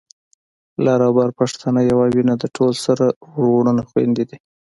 لر او بر پښتانه يوه وینه ده، ټول سره وروڼه خويندي دي